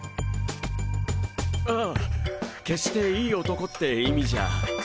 あ決していい男って意味じゃ。